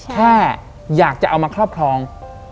แค่อยากจะเอามาครอบครอง